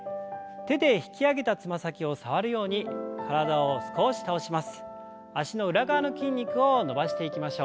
手でつま先を触るように体を少し倒します。